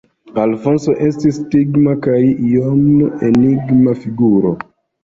Alfonso estis digna kaj iom enigma figuro.